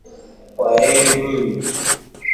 Kwaheri Mwinyi